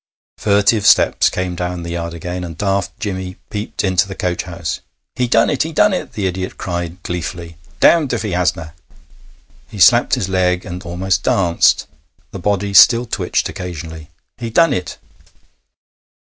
Furtive steps came down the yard again, and Daft Jimmy peeped into the coach house. 'He done it! he done it!' the idiot cried gleefully. 'Damned if he hasna'.' He slapped his leg and almost danced. The body still twitched occasionally. 'He done it!'